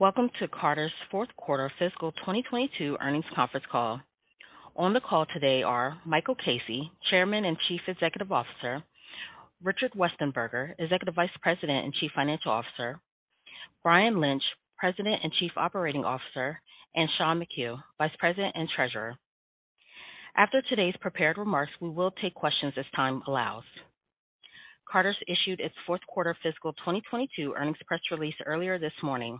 Welcome to Carter's Q4 Fiscal 2022 Earnings Conference Call. On the call today are Michael Casey, Chairman and Chief Executive Officer, Richard Westenberger, Executive Vice President and Chief Financial Officer, Brian Lynch, President and Chief Operating Officer, and Sean McHugh, Vice President and Treasurer. After today's prepared remarks, we will take questions as time allows. Carter's issued its Q4 fiscal 2022 earnings press release earlier this morning.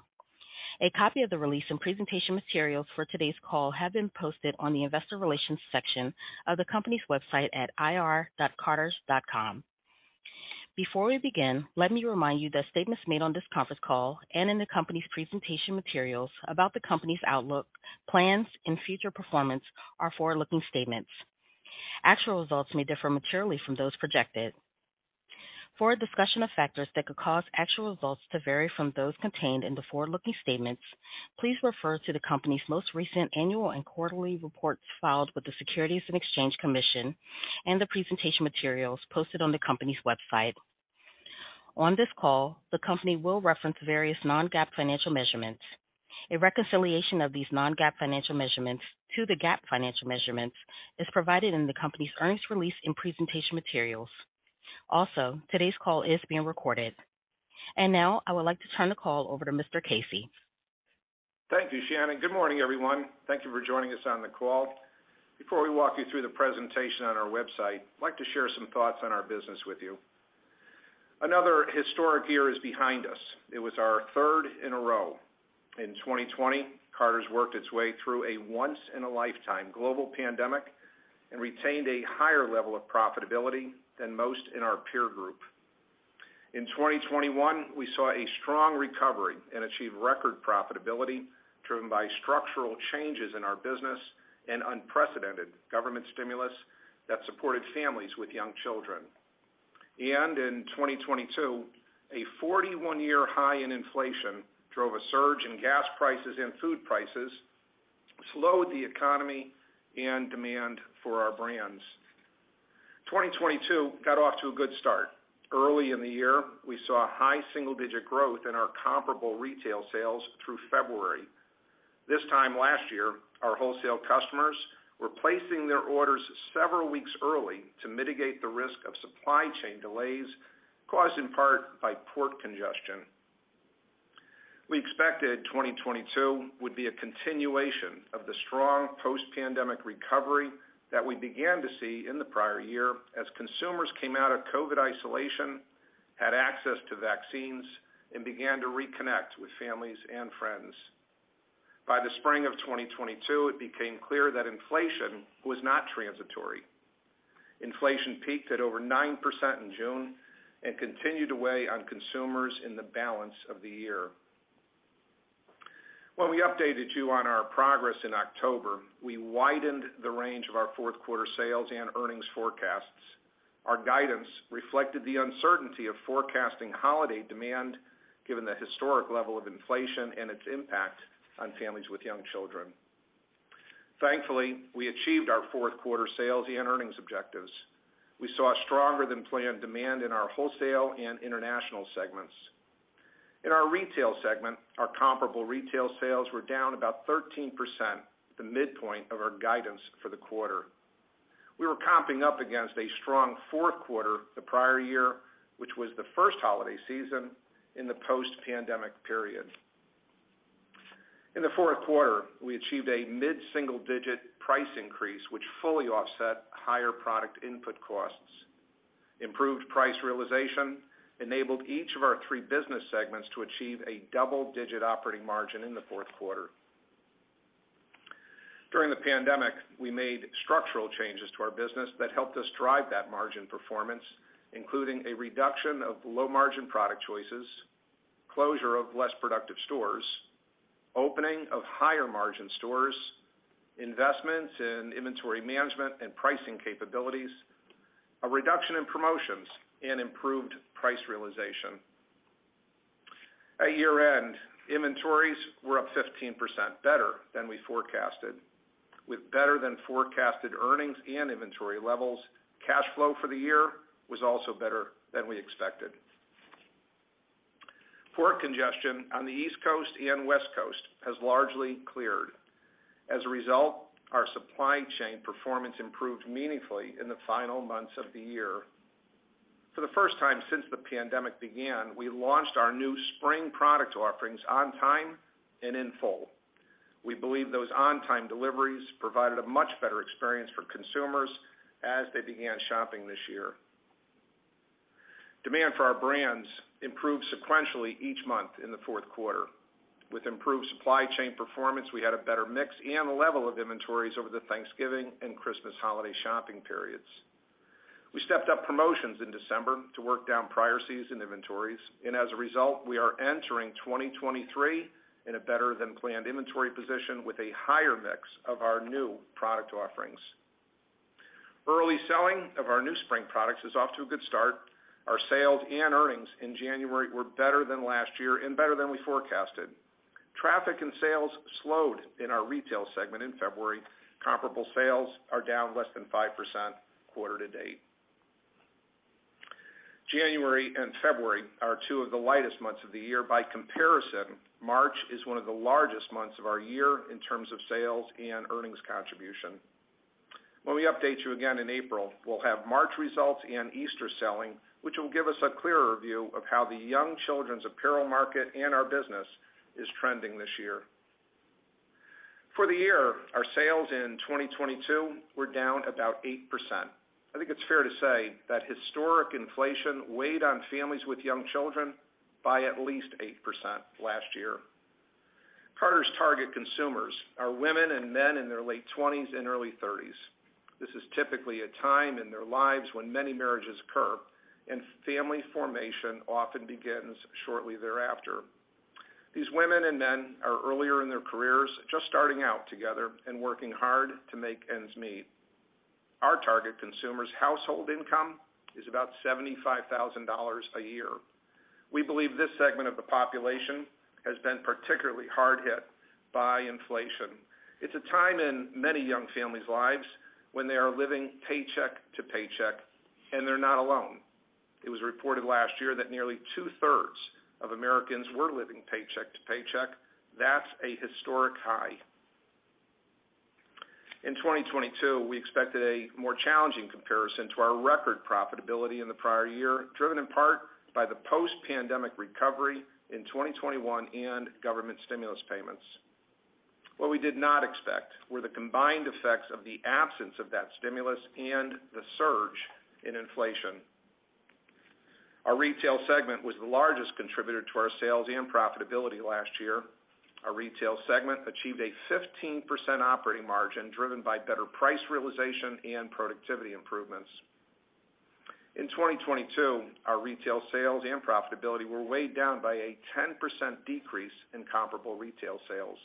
A copy of the release and presentation materials for today's call have been posted on the investor relations section of the company's website at ir.carters.com. Before we begin, let me remind you that statements made on this conference call and in the company's presentation materials about the company's outlook, plans, and future performance are forward-looking statements. Actual results may differ materially from those projected. For a discussion of factors that could cause actual results to vary from those contained in the forward-looking statements, please refer to the company's most recent annual and quarterly reports filed with the Securities and Exchange Commission and the presentation materials posted on the company's website. On this call, the company will reference various non-GAAP financial measurements. A reconciliation of these non-GAAP financial measurements to the GAAP financial measurements is provided in the company's earnings release and presentation materials. Today's call is being recorded. Now, I would like to turn the call over to Mr. Casey. Thank you, Shannon. Good morning, everyone. Thank you for joining us on the call. Before we walk you through the presentation on our website, I'd like to share some thoughts on our business with you. Another historic year is behind us. It was our third in a row. In 2020, Carter's worked its way through a once-in-a-lifetime global pandemic and retained a higher level of profitability than most in our peer group. In 2021, we saw a strong recovery and achieved record profitability driven by structural changes in our business and unprecedented government stimulus that supported families with young children. In 2022, a 41 year high in inflation drove a surge in gas prices and food prices, slowed the economy and demand for our brands. 2022 got off to a good start. Early in the year, we saw high single-digit growth in our comparable retail sales through February. This time last year, our wholesale customers were placing their orders several weeks early to mitigate the risk of supply chain delays caused in part by port congestion. We expected 2022 would be a continuation of the strong post-pandemic recovery that we began to see in the prior year as consumers came out of COVID isolation, had access to vaccines, and began to reconnect with families and friends. By the spring of 2022, it became clear that inflation was not transitory. Inflation peaked at over 9% in June and continued to weigh on consumers in the balance of the year. When we updated you on our progress in October, we widened the range of our Q4 sales and earnings forecasts. Our guidance reflected the uncertainty of forecasting holiday demand given the historic level of inflation and its impact on families with young children. Thankfully, we achieved our Q4 sales and earnings objectives. We saw stronger than planned demand in our wholesale and international segments. In our retail segment, our comparable retail sales were down about 13%, the midpoint of our guidance for the quarter. We were comping up against a strong Q4 the prior year, which was the first holiday season in the post-pandemic period. In Q4, we achieved a mid-single-digit price increase, which fully offset higher product input costs. Improved price realization enabled each of our three business segments to achieve a double-digit operating margin in Q4. During the pandemic, we made structural changes to our business that helped us drive that margin performance, including a reduction of low-margin product choices, closure of less productive stores, opening of higher-margin stores, investments in inventory management and pricing capabilities, a reduction in promotions, and improved price realization. At year-end, inventories were up 15% better than we forecasted. With better than forecasted earnings and inventory levels, cash flow for the year was also better than we expected. Port congestion on the East Coast and West Coast has largely cleared. Our supply chain performance improved meaningfully in the final months of the year. For the first time since the pandemic began, we launched our new spring product offerings on time and in full. We believe those on-time deliveries provided a much better experience for consumers as they began shopping this year. Demand for our brands improved sequentially each month in Q4. With improved supply chain performance, we had a better mix and level of inventories over the Thanksgiving and Christmas holiday shopping periods. We stepped up promotions in December to work down prior season inventories, and as a result, we are entering 2023 in a better-than-planned inventory position with a higher mix of our new product offerings. Early selling of our new spring products is off to a good start. Our sales and earnings in January were better than last year and better than we forecasted. Traffic and sales slowed in our retail segment in February. Comparable sales are down less than 5% quarter to date. January and February are two of the lightest months of the year. By comparison, March is one of the largest months of our year in terms of sales and earnings contribution. When we update you again in April, we'll have March results and Easter selling, which will give us a clearer view of how the young children's apparel market and our business is trending this year. For the year, our sales in 2022 were down about 8%. I think it's fair to say that historic inflation weighed on families with young children by at least 8% last year. Carter's target consumers are women and men in their late 20s and early 30s. This is typically a time in their lives when many marriages occur, and family formation often begins shortly thereafter. These women and men are earlier in their careers, just starting out together and working hard to make ends meet. Our target consumers' household income is about $75,000 a year. We believe this segment of the population has been particularly hard hit by inflation. It's a time in many young families' lives when they are living paycheck to paycheck, and they're not alone. It was reported last year that nearly two-thirds of Americans were living paycheck to paycheck. That's a historic high. In 2022, we expected a more challenging comparison to our record profitability in the prior year, driven in part by the post-pandemic recovery in 2021 and government stimulus payments. What we did not expect were the combined effects of the absence of that stimulus and the surge in inflation. Our retail segment was the largest contributor to our sales and profitability last year. Our retail segment achieved a 15% operating margin, driven by better price realization and productivity improvements. In 2022, our retail sales and profitability were weighed down by a 10% decrease in comparable retail sales.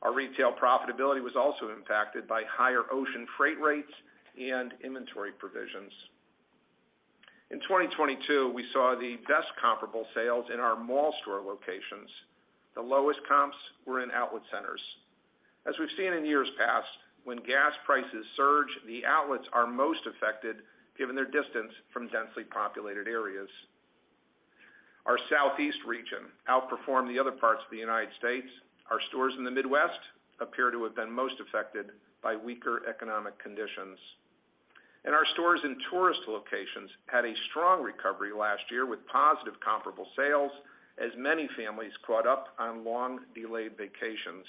Our retail profitability was also impacted by higher ocean freight rates and inventory provisions. In 2022, we saw the best comparable sales in our mall store locations. The lowest comps were in outlet centers. As we've seen in years past, when gas prices surge, the outlets are most affected given their distance from densely populated areas. Our Southeast region outperformed the other parts of the United States. Our stores in the Midwest appear to have been most affected by weaker economic conditions. Our stores in tourist locations had a strong recovery last year with positive comparable sales as many families caught up on long-delayed vacations.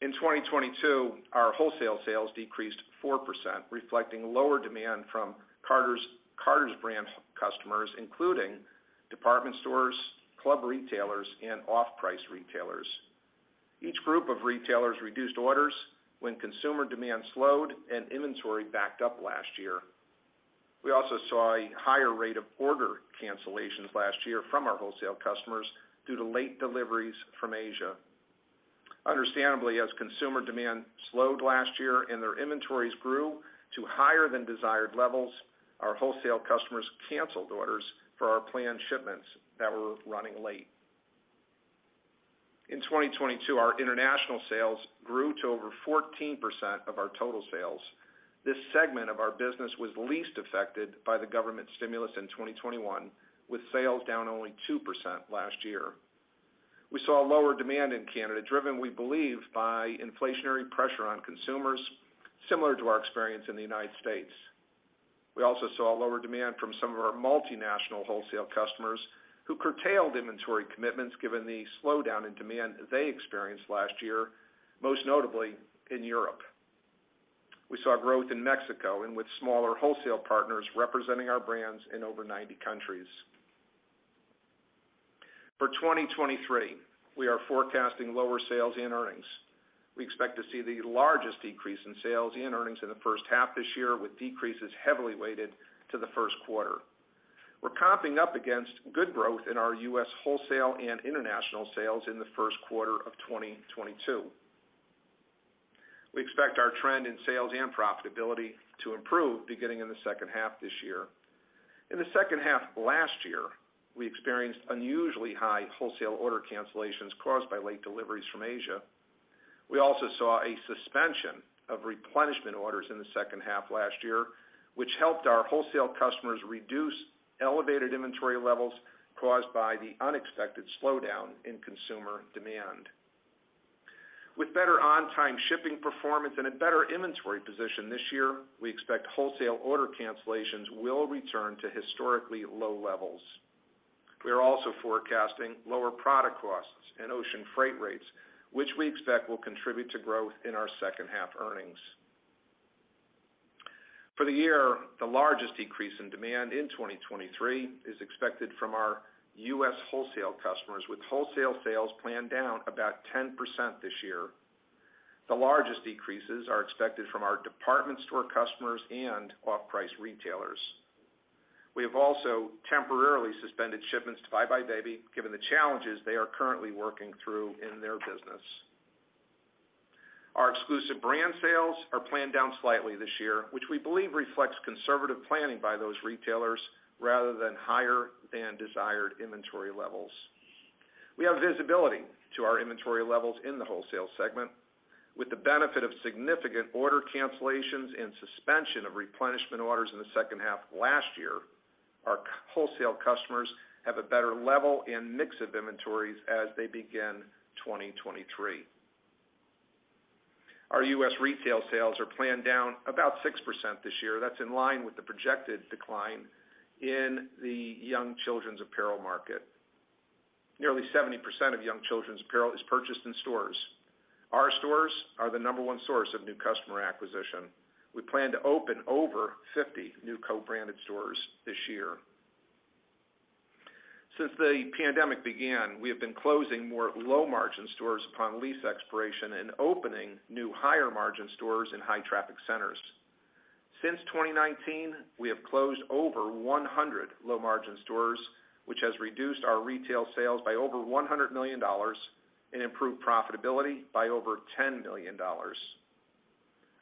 In 2022, our wholesale sales decreased 4%, reflecting lower demand from Carter's brand customers, including department stores, club retailers, and off-price retailers. Each group of retailers reduced orders when consumer demand slowed and inventory backed up last year. We also saw a higher rate of order cancellations last year from our wholesale customers due to late deliveries from Asia. Understandably, as consumer demand slowed last year and their inventories grew to higher than desired levels, our wholesale customers cancelled orders for our planned shipments that were running late. In 2022, our international sales grew to over 14% of our total sales. This segment of our business was least affected by the government stimulus in 2021, with sales down only 2% last year. We saw lower demand in Canada, driven, we believe, by inflationary pressure on consumers similar to our experience in the United States. We also saw lower demand from some of our multinational wholesale customers who curtailed inventory commitments given the slowdown in demand they experienced last year, most notably in Europe. We saw growth in Mexico and with smaller wholesale partners representing our brands in over 90 countries. For 2023, we are forecasting lower sales and earnings. We expect to see the largest decrease in sales and earnings in the first half this year, with decreases heavily weighted to Q1. We're comping up against good growth in our U.S. wholesale and international sales in Q1 of 2022. We expect our trend in sales and profitability to improve beginning in the second half this year. In the second half of last year, we experienced unusually high wholesale order cancellations caused by late deliveries from Asia. We also saw a suspension of replenishment orders in the second half last year, which helped our wholesale customers reduce elevated inventory levels caused by the unexpected slowdown in consumer demand. With better on-time shipping performance and a better inventory position this year, we expect wholesale order cancellations will return to historically low levels. We are also forecasting lower product costs and ocean freight rates, which we expect will contribute to growth in our second half earnings. For the year, the largest decrease in demand in 2023 is expected from our U.S. wholesale customers, with wholesale sales planned down about 10% this year. The largest decreases are expected from our department store customers and off-price retailers. We have also temporarily suspended shipments to buybuy BABY, given the challenges they are currently working through in their business. Our exclusive brand sales are planned down slightly this year, which we believe reflects conservative planning by those retailers rather than higher than desired inventory levels. We have visibility to our inventory levels in the wholesale segment. With the benefit of significant order cancellations and suspension of replenishment orders in the second half of last year, our wholesale customers have a better level and mix of inventories as they begin 2023. Our U.S. retail sales are planned down about 6% this year. That's in line with the projected decline in the young children's apparel market. Nearly 70% of young children's apparel is purchased in stores. Our stores are the number one source of new customer acquisition. We plan to open over 50 new co-branded stores this year. Since the pandemic began, we have been closing more low-margin stores upon lease expiration and opening new higher-margin stores in high-traffic centers. Since 2019, we have closed over 100 low-margin stores, which has reduced our retail sales by over $100 million and improved profitability by over $10 million.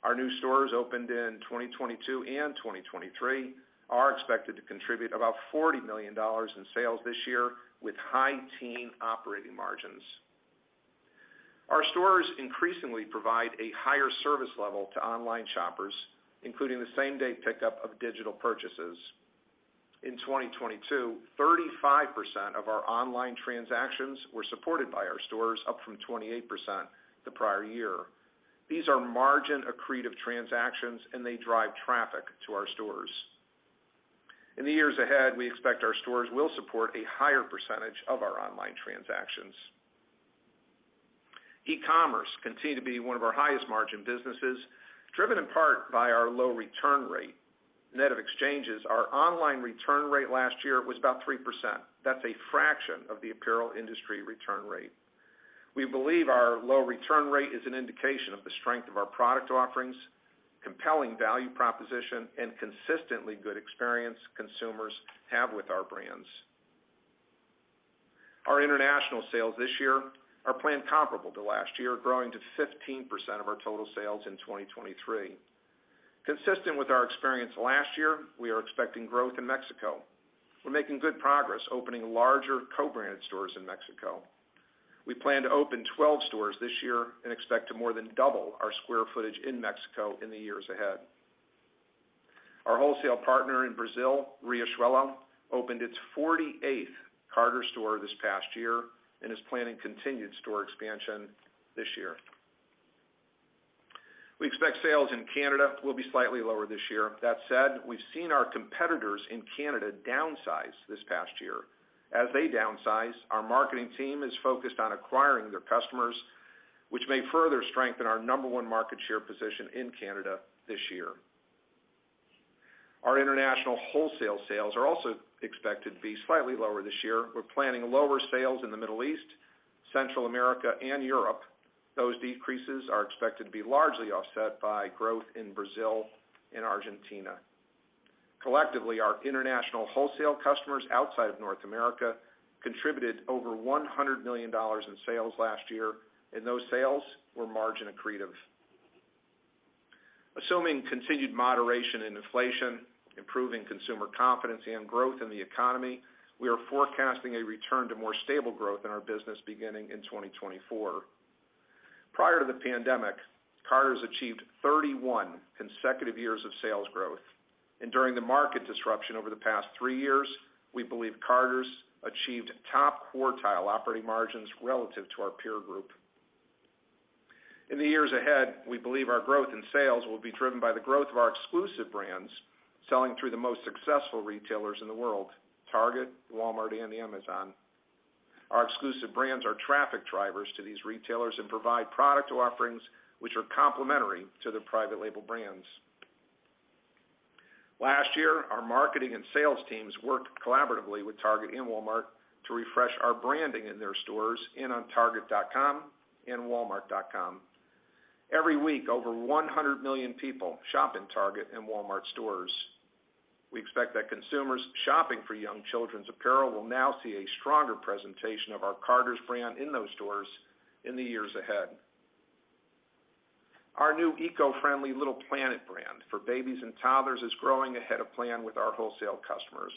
Our new stores opened in 2022 and 2023 are expected to contribute about $40 million in sales this year with high teen operating margins. Our stores increasingly provide a higher service level to online shoppers, including the same-day pickup of digital purchases. In 2022, 35% of our online transactions were supported by our stores, up from 28% the prior year. These are margin accretive transactions, and they drive traffic to our stores. In the years ahead, we expect our stores will support a higher percentage of our online transactions. E-commerce continue to be one of our highest margin businesses, driven in part by our low return rate. Net of exchanges, our online return rate last year was about 3%. That's a fraction of the apparel industry return rate. We believe our low return rate is an indication of the strength of our product offerings, compelling value proposition, and consistently good experience consumers have with our brands. Our international sales this year are planned comparable to last year, growing to 15% of our total sales in 2023. Consistent with our experience last year, we are expecting growth in Mexico. We're making good progress opening larger co-branded stores in Mexico. We plan to open 12 stores this year and expect to more than double our square footage in Mexico in the years ahead. Our wholesale partner in Brazil, Riachuelo, opened its 48th Carter's store this past year and is planning continued store expansion this year. We expect sales in Canada will be slightly lower this year. That said, we've seen our competitors in Canada downsize this past year. As they downsize, our marketing team is focused on acquiring their customers, which may further strengthen our number one market share position in Canada this year. Our international wholesale sales are also expected to be slightly lower this year. We're planning lower sales in the Middle East, Central America, and Europe. Those decreases are expected to be largely offset by growth in Brazil and Argentina. Collectively, our international wholesale customers outside of North America contributed over $100 million in sales last year, and those sales were margin accretive. Assuming continued moderation in inflation, improving consumer confidence, and growth in the economy, we are forecasting a return to more stable growth in our business beginning in 2024. Prior to the pandemic, Carter's achieved 31 consecutive years of sales growth. During the market disruption over the past three years, we believe Carter's achieved top quartile operating margins relative to our peer group. In the years ahead, we believe our growth in sales will be driven by the growth of our exclusive brands selling through the most successful retailers in the world, Target, Walmart, and Amazon. Our exclusive brands are traffic drivers to these retailers and provide product offerings which are complementary to their private label brands. Last year, our marketing and sales teams worked collaboratively with Target and Walmart to refresh our branding in their stores and on target.com and walmart.com. Every week, over 100 million people shop in Target and Walmart stores. We expect that consumers shopping for young children's apparel will now see a stronger presentation of our Carter's brand in those stores in the years ahead. Our new eco-friendly Little Planet brand for babies and toddlers is growing ahead of plan with our wholesale customers.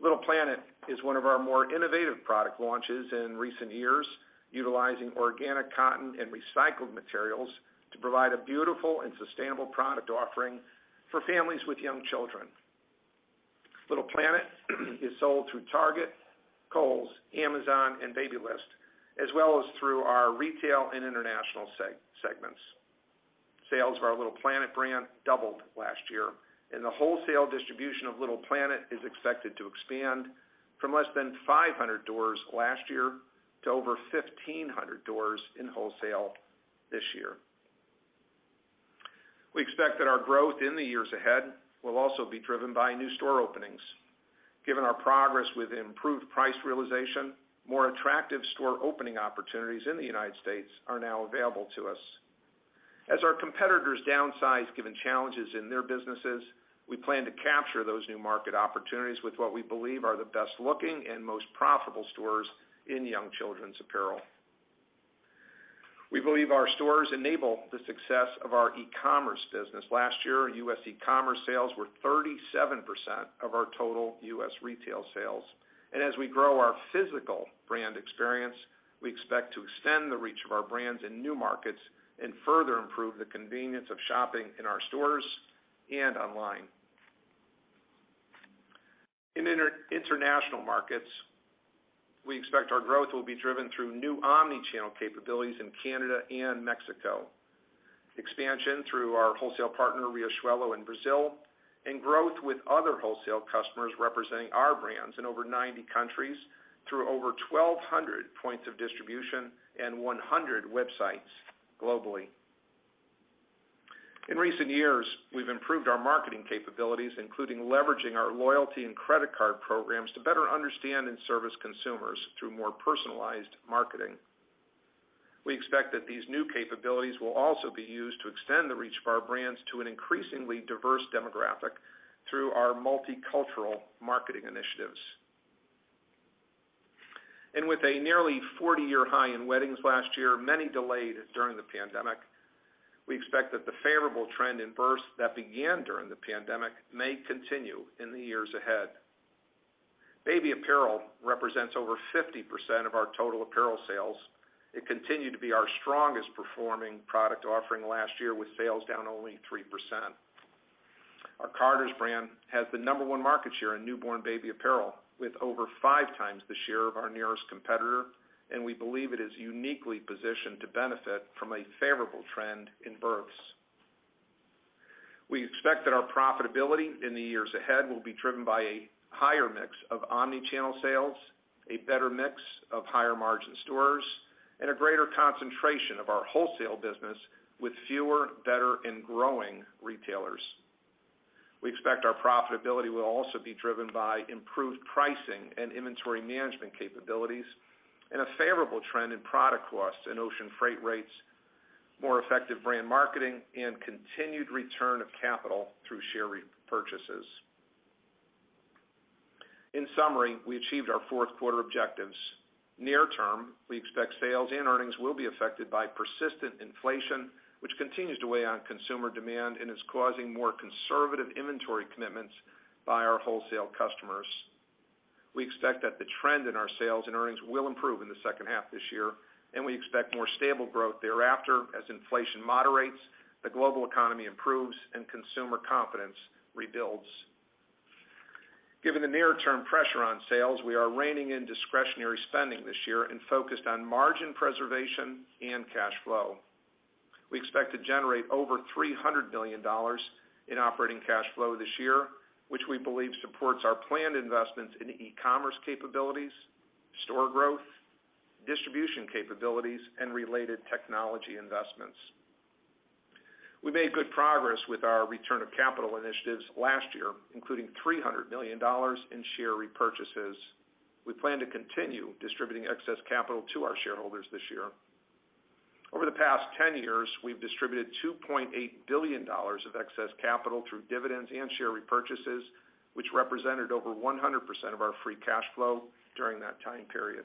Little Planet is one of our more innovative product launches in recent years, utilizing organic cotton and recycled materials to provide a beautiful and sustainable product offering for families with young children. Little Planet is sold through Target, Kohl's, Amazon, and Babylist, as well as through our retail and international segments. Sales of our Little Planet brand doubled last year, and the wholesale distribution of Little Planet is expected to expand from less than 500 doors last year to over 1,500 doors in wholesale this year. We expect that our growth in the years ahead will also be driven by new store openings. Given our progress with improved price realization, more attractive store opening opportunities in the United States are now available to us. As our competitors downsize given challenges in their businesses, we plan to capture those new market opportunities with what we believe are the best-looking and most profitable stores in young children's apparel. We believe our stores enable the success of our e-commerce business. Last year, U.S. e-commerce sales were 37% of our total U.S. retail sales. As we grow our physical brand experience, we expect to extend the reach of our brands in new markets and further improve the convenience of shopping in our stores and online. In international markets, we expect our growth will be driven through new omni-channel capabilities in Canada and Mexico, expansion through our wholesale partner, Riachuelo, in Brazil, and growth with other wholesale customers representing our brands in over 90 countries through over 1,200 points of distribution and 100 websites globally. In recent years, we've improved our marketing capabilities, including leveraging our loyalty and credit card programs to better understand and service consumers through more personalized marketing. We expect that these new capabilities will also be used to extend the reach of our brands to an increasingly diverse demographic through our multicultural marketing initiatives. With a nearly 40-year high in weddings last year, many delayed during the pandemic, we expect that the favorable trend in births that began during the pandemic may continue in the years ahead. Baby apparel represents over 50% of our total apparel sales. It continued to be our strongest performing product offering last year, with sales down only 3%. Our Carter's brand has the number one market share in newborn baby apparel with over 5x the share of our nearest competitor, and we believe it is uniquely positioned to benefit from a favorable trend in births. We expect that our profitability in the years ahead will be driven by a higher mix of omni-channel sales, a better mix of higher margin stores, and a greater concentration of our wholesale business with fewer, better, and growing retailers. We expect our profitability will also be driven by improved pricing and inventory management capabilities and a favorable trend in product costs and ocean freight rates, more effective brand marketing, and continued return of capital through share repurchases. In summary, we achieved our Q4 objectives. Near term, we expect sales and earnings will be affected by persistent inflation, which continues to weigh on consumer demand and is causing more conservative inventory commitments by our wholesale customers. We expect that the trend in our sales and earnings will improve in the second half this year, and we expect more stable growth thereafter as inflation moderates, the global economy improves, and consumer confidence rebuilds. Given the near-term pressure on sales, we are reining in discretionary spending this year and focused on margin preservation and cash flow. We expect to generate over $300 million in operating cash flow this year, which we believe supports our planned investments in e-commerce capabilities, store growth, distribution capabilities, and related technology investments. We made good progress with our return of capital initiatives last year, including $300 million in share repurchases. We plan to continue distributing excess capital to our shareholders this year. Over the past 10 years, we've distributed $2.8 billion of excess capital through dividends and share repurchases, which represented over 100% of our free cash flow during that time period.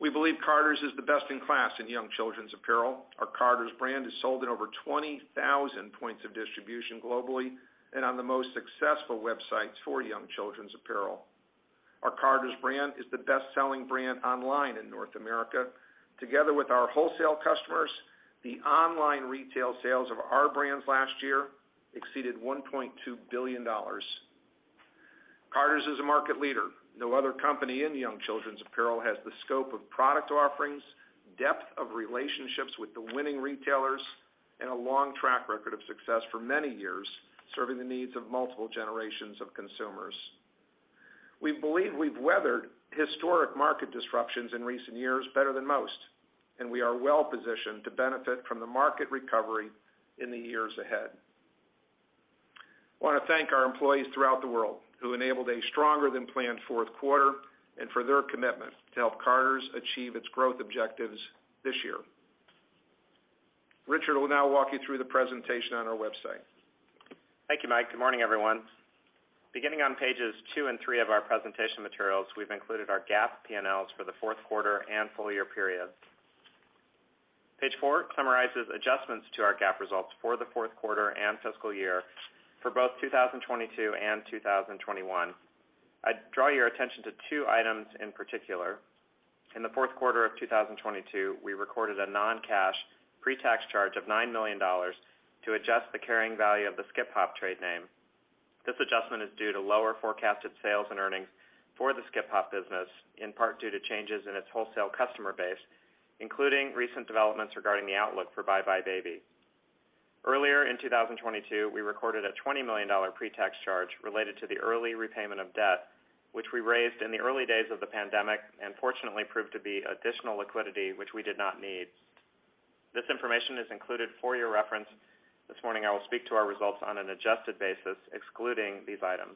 We believe Carter's is the best in class in young children's apparel. Our Carter's brand is sold in over 20,000 points of distribution globally and on the most successful websites for young children's apparel. Our Carter's brand is the best-selling brand online in North America. Together with our wholesale customers, the online retail sales of our brands last year exceeded $1.2 billion. Carter's is a market leader. No other company in young children's apparel has the scope of product offerings, depth of relationships with the winning retailers, and a long track record of success for many years, serving the needs of multiple generations of consumers. We believe we've weathered historic market disruptions in recent years better than most, and we are well-positioned to benefit from the market recovery in the years ahead. I wanna thank our employees throughout the world who enabled a stronger than planned Q4 and for their commitment to help Carter's achieve its growth objectives this year. Richard will now walk you through the presentation on our website. Thank you, Mike. Good morning, everyone. Beginning on pages two and three of our presentation materials, we've included our GAAP P&Ls for Q4 and full-year period. Page 4 summarizes adjustments to our GAAP results for Q4 and fiscal year for both 2022 and 2021. I'd draw your attention to two items in particular. In Q4 of 2022, we recorded a non-cash pre-tax charge of $9 million to adjust the carrying value of the Skip Hop trade name. This adjustment is due to lower forecasted sales and earnings for the Skip Hop business, in part due to changes in its wholesale customer base, including recent developments regarding the outlook for buybuy BABY. Earlier in 2022, we recorded a $20 million pre-tax charge related to the early repayment of debt, which we raised in the early days of the pandemic and fortunately proved to be additional liquidity, which we did not need. This information is included for your reference. This morning I will speak to our results on an adjusted basis excluding these items.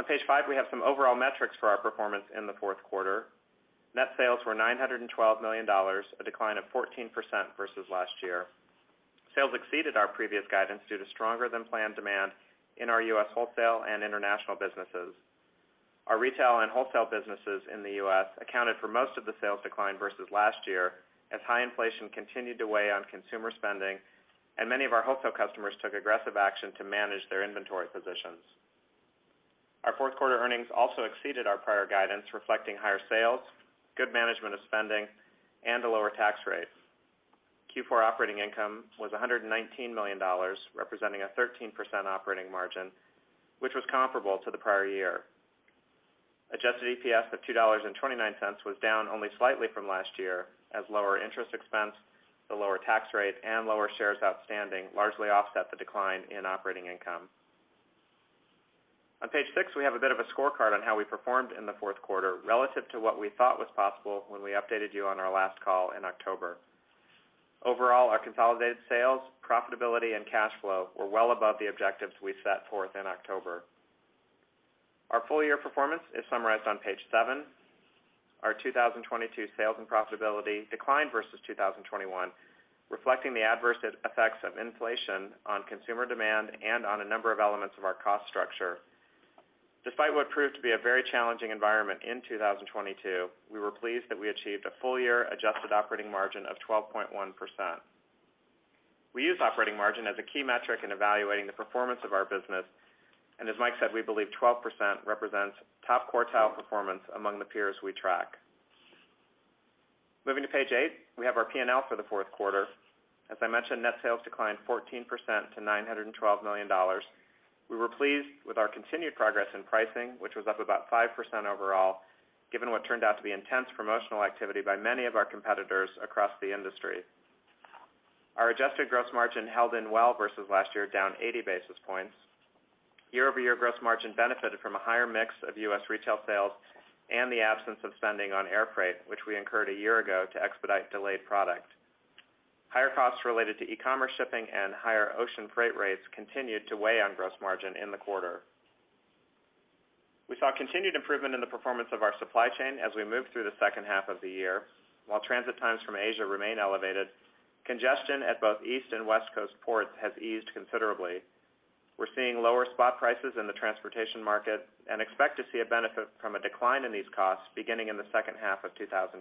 On page five, we have some overall metrics for our performance in Q4. Net sales were $912 million, a decline of 14% versus last year. Sales exceeded our previous guidance due to stronger than planned demand in our U.S. wholesale and international businesses. Our retail and wholesale businesses in the U.S. accounted for most of the sales decline versus last year, as high inflation continued to weigh on consumer spending, and many of our wholesale customers took aggressive action to manage their inventory positions. Our Q4 earnings also exceeded our prior guidance, reflecting higher sales, good management of spending, and a lower tax rate. Q4 operating income was $119 million, representing a 13% operating margin, which was comparable to the prior year. Adjusted EPS of $2.29 was down only slightly from last year, as lower interest expense, the lower tax rate, and lower shares outstanding largely offset the decline in operating income. On page six, we have a bit of a scorecard on how we performed in Q4 relative to what we thought was possible when we updated you on our last call in October. Overall, our consolidated sales, profitability, and cash flow were well above the objectives we set forth in October. Our full-year performance is summarized on page seven. Our 2022 sales and profitability declined versus 2021, reflecting the adverse effects of inflation on consumer demand and on a number of elements of our cost structure. Despite what proved to be a very challenging environment in 2022, we were pleased that we achieved a full-year adjusted operating margin of 12.1%. We use operating margin as a key metric in evaluating the performance of our business, and as Mike said, we believe 12% represents top quartile performance among the peers we track. Moving to page eight, we have our P&L for Q4. As I mentioned, net sales declined 14% to $912 million. We were pleased with our continued progress in pricing, which was up about 5% overall, given what turned out to be intense promotional activity by many of our competitors across the industry. Our adjusted gross margin held in well versus last year, down 80 basis points. Year-over-year gross margin benefited from a higher mix of U.S. retail sales and the absence of spending on air freight, which we incurred a year ago to expedite delayed product. Higher costs related to e-commerce shipping and higher ocean freight rates continued to weigh on gross margin in the quarter. We saw continued improvement in the performance of our supply chain as we moved through the second half of the year. While transit times from Asia remain elevated, congestion at both East and West Coast ports has eased considerably. We're seeing lower spot prices in the transportation market and expect to see a benefit from a decline in these costs beginning in the second half of 2023.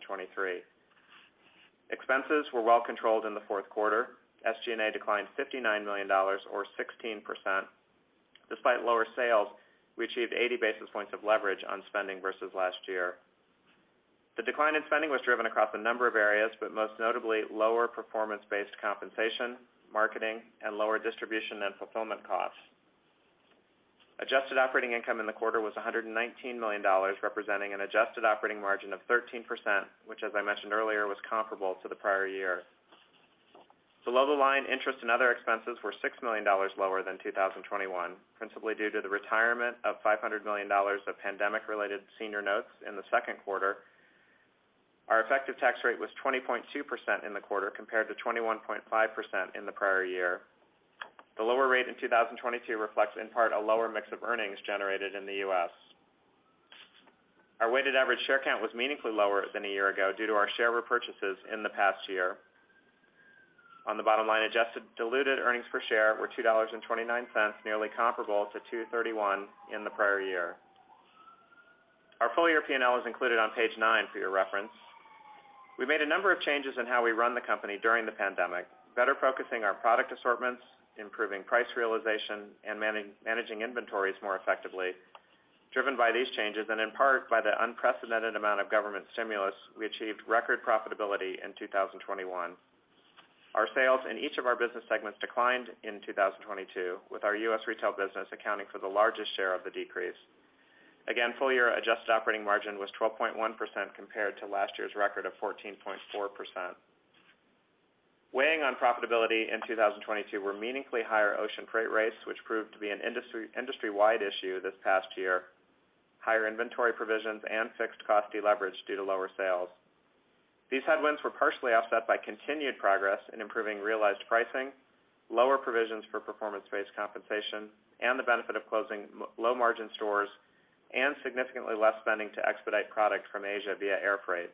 Expenses were well controlled in Q4. SG&A declined $59 million or 16%. Despite lower sales, we achieved 80 basis points of leverage on spending versus last year. The decline in spending was driven across a number of areas, but most notably lower performance-based compensation, marketing, and lower distribution and fulfillment costs. Adjusted operating income in the quarter was $119 million, representing an adjusted operating margin of 13%, which, as I mentioned earlier, was comparable to the prior year. Below the line, interest and other expenses were $6 million lower than 2021, principally due to the retirement of $500 million of pandemic-related senior notes in Q2. Our effective tax rate was 20.2% in the quarter compared to 21.5% in the prior year. The lower rate in 2022 reflects in part a lower mix of earnings generated in the U.S. Our weighted average share count was meaningfully lower than a year ago due to our share repurchases in the past year. On the bottom line, adjusted diluted earnings per share were $2.29, nearly comparable to 2.31 in the prior year. Our full-year P&L is included on page nine for your reference. We made a number of changes in how we run the company during the pandemic, better focusing our product assortments, improving price realization, and managing inventories more effectively. Driven by these changes and in part by the unprecedented amount of government stimulus, we achieved record profitability in 2021. Our sales in each of our business segments declined in 2022, with our U.S. retail business accounting for the largest share of the decrease. Again, full-year adjusted operating margin was 12.1% compared to last year's record of 14.4%. Weighing on profitability in 2022 were meaningfully higher ocean freight rates, which proved to be an industry-wide issue this past year, higher inventory provisions, and fixed cost deleverage due to lower sales. These headwinds were partially offset by continued progress in improving realized pricing, lower provisions for performance-based compensation, and the benefit of closing low-margin stores, and significantly less spending to expedite product from Asia via air freight.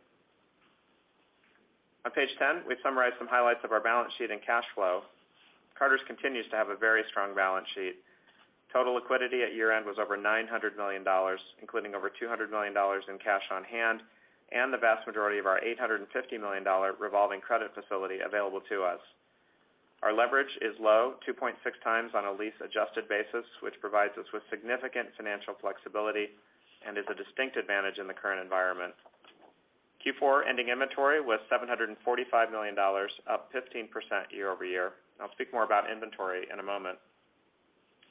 On page 10, we've summarized some highlights of our balance sheet and cash flow. Carter's continues to have a very strong balance sheet. Total liquidity at year-end was over $900 million, including over 200 million in cash on hand and the vast majority of our 850 million revolving credit facility available to us. Our leverage is low, 2.6x on a lease adjusted basis, which provides us with significant financial flexibility and is a distinct advantage in the current environment. Q4 ending inventory was $745 million, up 15% year-over-year. I'll speak more about inventory in a moment.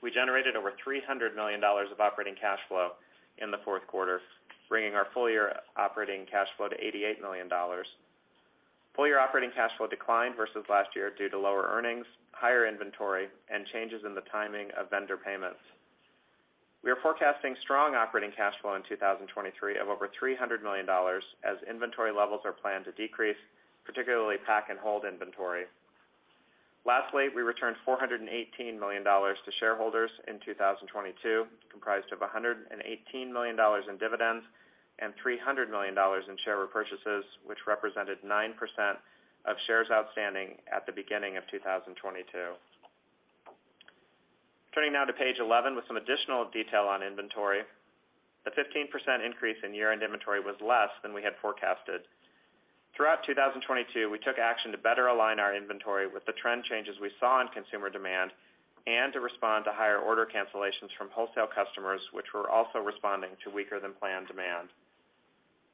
We generated over $300 million of operating cash flow in Q4, bringing our full-year operating cash flow to $88 million. Full-year operating cash flow declined versus last year due to lower earnings, higher inventory, and changes in the timing of vendor payments. We are forecasting strong operating cash flow in 2023 of over $300 million as inventory levels are planned to decrease, particularly pack and hold inventory. Lastly, we returned $418 million to shareholders in 2022, comprised of 118 million in dividends and $300 million in share repurchases, which represented 9% of shares outstanding at the beginning of 2022. Turning now to page 11 with some additional detail on inventory. The 15% increase in year-end inventory was less than we had forecasted. Throughout 2022, we took action to better align our inventory with the trend changes we saw in consumer demand and to respond to higher order cancellations from wholesale customers, which were also responding to weaker than planned demand.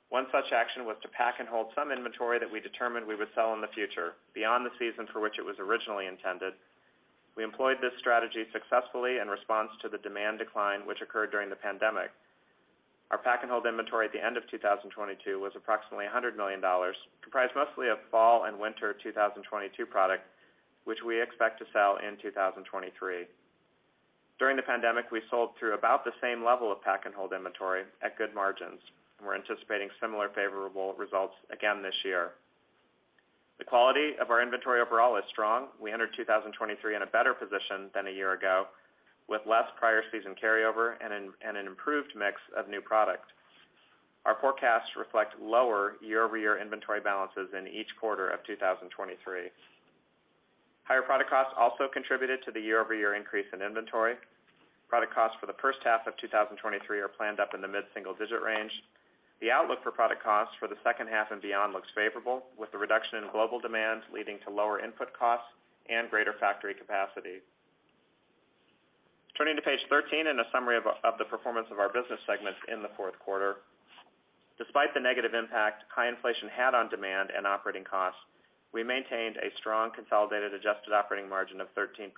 One such action was to pack and hold some inventory that we determined we would sell in the future beyond the season for which it was originally intended. We employed this strategy successfully in response to the demand decline which occurred during the pandemic. Our pack and hold inventory at the end of 2022 was approximately $100 million, comprised mostly of fall and winter 2022 product, which we expect to sell in 2023. During the pandemic, we sold through about the same level of pack and hold inventory at good margins, and we're anticipating similar favorable results again this year. The quality of our inventory overall is strong. We entered 2023 in a better position than a year ago, with less prior season carryover and an improved mix of new product. Our forecasts reflect lower year-over-year inventory balances in each quarter of 2023. Higher product costs also contributed to the year-over-year increase in inventory. Product costs for the first half of 2023 are planned up in the mid-single-digit range. The outlook for product costs for the second half and beyond looks favorable, with the reduction in global demand leading to lower input costs and greater factory capacity. Turning to page 13 in a summary of the performance of our business segments in Q4. Despite the negative impact high inflation had on demand and operating costs, we maintained a strong consolidated adjusted operating margin of 13%.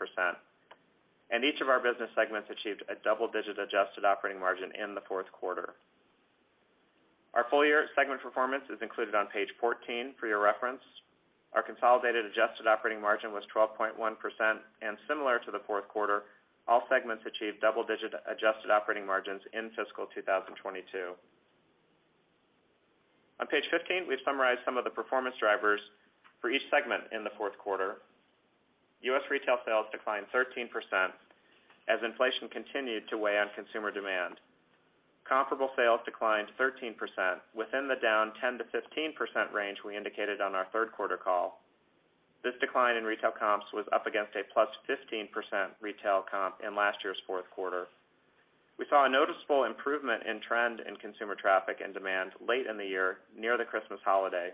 Each of our business segments achieved a double-digit adjusted operating margin in Q4. Our full year segment performance is included on page 14 for your reference. Our consolidated adjusted operating margin was 12.1%. Similar to Q4, all segments achieved double-digit adjusted operating margins in fiscal 2022. On page 15, we've summarized some of the performance drivers for each segment in Q4. U.S. retail sales declined 13% as inflation continued to weigh on consumer demand. Comparable sales declined 13% within the down 10% to 15% range we indicated on our Q3 call. This decline in retail comps was up against a +15% retail comp in last year's Q4. We saw a noticeable improvement in trend in consumer traffic and demand late in the year near the Christmas holiday.